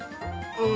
うん。